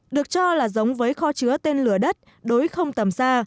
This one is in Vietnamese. được cho là giống với kho chứa tên lửa đất đối không tầm xa